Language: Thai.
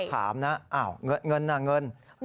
ก็ถามนะอ้าวเงินนะเงิน